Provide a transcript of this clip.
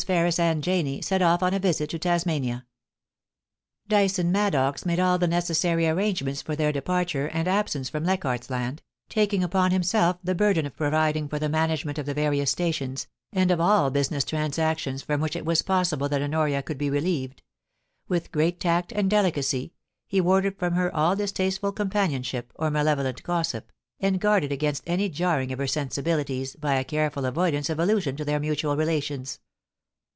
Ferris and Janie, set off on a visit to Tasmania. Dyson Maddox made all the necessary arrangements for their departure and absence from Leichardt's Land, taking upon himself the burden of providing for the management of the various stations, and of all business transactions from which it was possible that Honoria could be relieved ; with great tact and delicacy he warded from her all distasteful companionship or malevolent gossip, and guarded against any jarring of her sensibilities by a careful avoidance of allusion to their mutual relations.